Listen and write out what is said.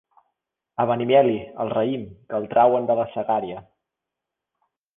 A Benimeli, el raïm, que el trauen de la Segària.